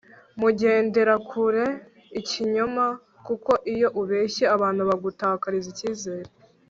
mugendera kure ikinyoma kuko iyo ubeshye abantu bagutakariza ikizere